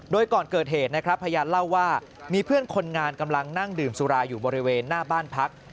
โดยก่อนเกิดเหตุนะครับพยานเล่าว่ามีเพื่อนคนงานกำลังนั่งดื่มสุราอยู่บริเวณหน้าบ้านพัก